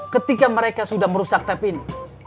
ketika mereka sudah merusak tapi ini